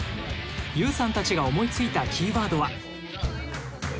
結有さんたちが思いついたキーワードは。